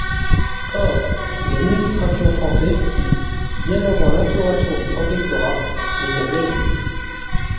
Or, c'est l'administration française qui, bien avant l'instauration du protectorat, les organise.